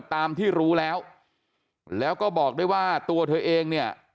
ตามที่รู้แล้วแล้วก็บอกด้วยว่าตัวเธอเองเนี่ย